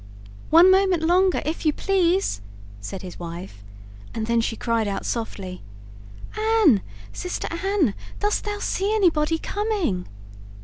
"One moment longer, if you please," said his wife; and then she cried out softly: "Anne, sister Anne, dost thou see anybody coming?"